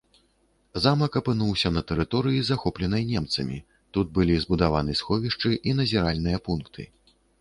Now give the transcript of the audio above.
Замак апынуўся на тэрыторыі, захопленай немцамі, тут былі збудаваны сховішчы і назіральныя пункты.